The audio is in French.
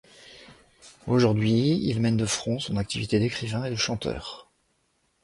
Aujourd'hui, il mène de front son activité d'écrivain et de chanteur.